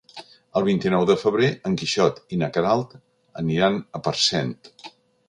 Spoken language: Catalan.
El vint-i-nou de febrer en Quixot i na Queralt aniran a Parcent.